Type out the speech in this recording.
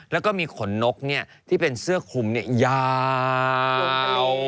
แล้วก็มีขนนกที่เป็นเสื้อคลุมยาว